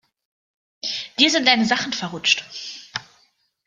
Dir sind deine Sachen verrutscht.